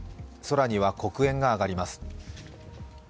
空には黒煙が上がります。